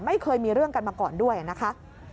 ไม่เคยมีเรื่องกันมาก่อนด้วยนะคะ